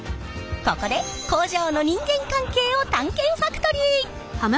ここで工場の人間関係を探検ファクトリー！